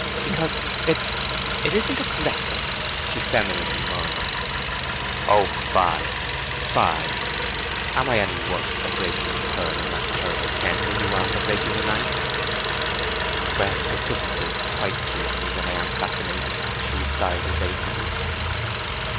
"Because it—it isn't a correct one," she femininely murmured. "Oh, fie—fie! Am I any worse for breaking the third of that Terrible Ten than you for breaking the ninth?" "Well, it doesn't seem quite true to me that I am fascinating," she replied evasively.